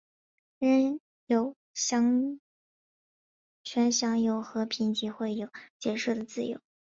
人人有权享有和平集会和结社的自由。